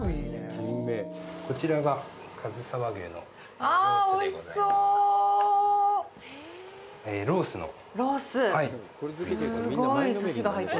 こちらが、かずさ和牛のロースでございます。